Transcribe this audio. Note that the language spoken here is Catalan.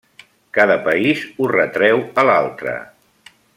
Cada país ho retreu a l'altre.